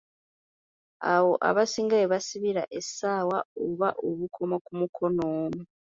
Awo abasinga we basibira essaawa oba obukomo ku mukono.